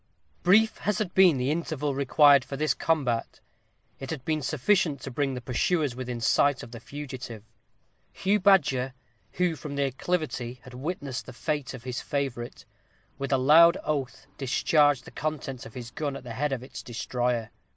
Brief as had been the interval required for this combat, it had been sufficient to bring the pursuers within sight of the fugitive. Hugh Badger, who from the acclivity had witnessed the fate of his favorite, with a loud oath discharged the contents of his gun at the head of its destroyer.